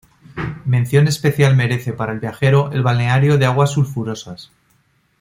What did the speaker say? Mención especial merece para el viajero el balneario de aguas sulfurosas.